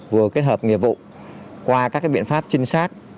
vừa kết hợp nghiệp vụ qua các biện pháp trinh sát